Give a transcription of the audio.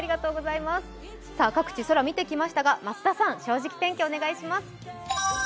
各地、空見てきましたが増田さん、「正直天気」お願いします